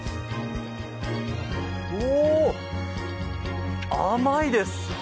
おお、甘いです。